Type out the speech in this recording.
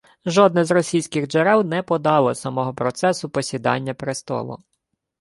Жодне з російських джерел не подало самого процесу посідання престолу